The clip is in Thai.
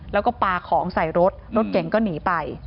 แล้วก็ปลาของใส่รถรถเก่งก็หนีไป